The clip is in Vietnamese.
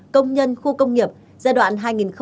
công nhân khu công nghiệp giai đoạn